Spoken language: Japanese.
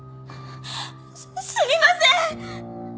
すみません！